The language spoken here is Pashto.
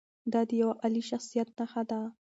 دا د یوه عالي شخصیت نښه ده.